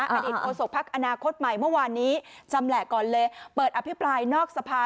อดีตโฆษกภักดิ์อนาคตใหม่เมื่อวานนี้ชำแหละก่อนเลยเปิดอภิปรายนอกสภา